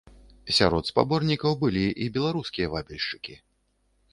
Сярод спаборнікаў былі і беларускія вабільшчыкі.